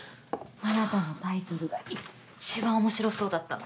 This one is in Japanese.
あなたのタイトルが一番面白そうだったの。